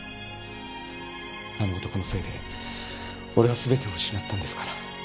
あの男のせいで俺は全てを失ったんですから。